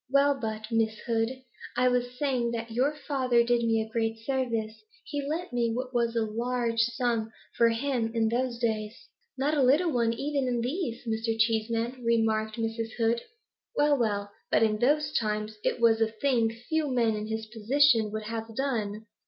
Well but, Miss Hood, I was saying that your father did me a great service; he lent me what was a large sum for him in those days ' 'Not a little one even in these, Mr. Cheeseman,' remarked Mrs. Hood. 'Well, well, but in those times it was a thing few men in his position would have done.